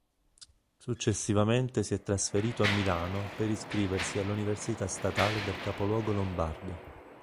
Successivamente si è trasferito a Milano per iscriversi all'università statale del capoluogo lombardo.